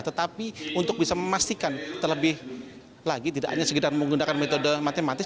tetapi untuk bisa memastikan terlebih lagi tidak hanya sekedar menggunakan metode matematis